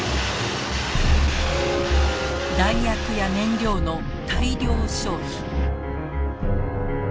弾薬や燃料の大量消費。